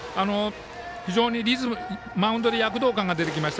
非常にマウンドに躍動感が出てきました。